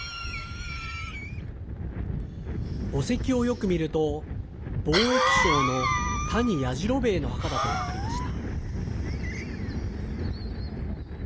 墓石をよく見ると貿易商の谷弥次郎兵衛の墓だと分かりました。